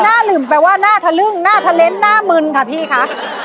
หน้าลืมแปลว่าหน้าทะลึ่งหน้าทะเลนส์หน้ามึนค่ะพี่คะ